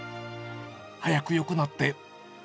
早くよくなって。